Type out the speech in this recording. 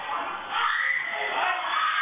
เจ้าเจ้าเจ้าเจ้า